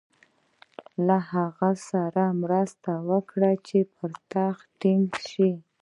له هغه سره مرسته وکړي چې پر تخت ټینګ شي.